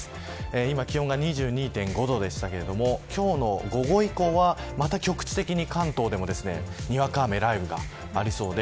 今、気温が２２．５度でしたけれども今日の午後以降はまた局地的に関東でも、にわか雨や雷雨がありそうで。